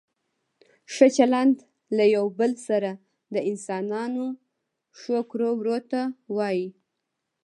ښه چلند له یو بل سره د انسانانو ښو کړو وړو ته وايي.